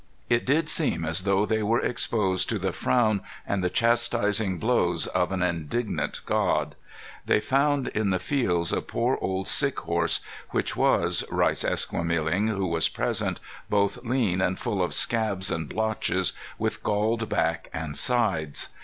It did seem as though they were exposed to the frown and the chastising blows of an indignant God. They found in the fields a poor old sick horse, "which was," writes Esquemeling, who was present, "both lean and full of scabs and blotches, with galled back and sides.